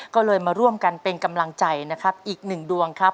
ก็เลยมาร่วมกันเป็นกำลังใจนะครับอีกหนึ่งดวงครับ